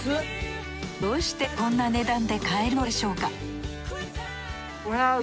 どうしてこんな値段で買えるのでしょうか？